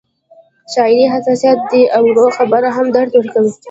شاعري حساسیت دی او وړه خبره هم درد ورکوي